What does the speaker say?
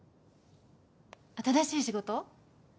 新しい仕事？